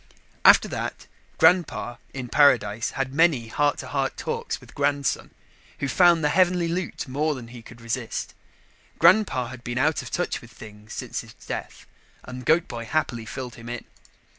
After that, Grandpa in paradise had many heart to heart talks with Grandson, who found the heavenly loot more than he could resist. Grandpa had been out of touch with things since his death and Goat boy happily filled him in.